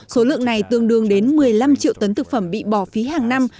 số lượng này tương đương đến một mươi năm triệu tấn thực phẩm bị bỏ phí hàng năm